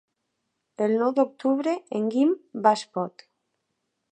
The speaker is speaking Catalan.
El nou d'octubre en Guim va a Espot.